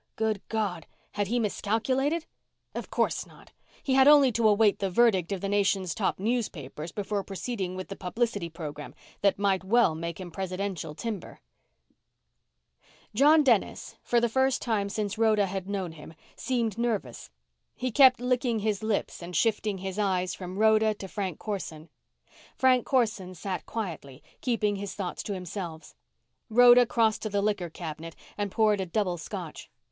Good God! Had he miscalculated? Of course not. He had only to await the verdict of the nation's top newspapers before proceeding with the publicity program that might well make him presidential timber. John Dennis, for the first time since Rhoda had known him, seemed nervous. He kept licking his lips and shifting his eyes from Rhoda to Frank Corson. Frank Corson sat quietly, keeping his thoughts to himself. Rhoda crossed to the liquor cabinet and poured a double Scotch.